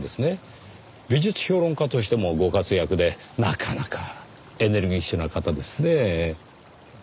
美術評論家としてもご活躍でなかなかエネルギッシュな方ですねぇ。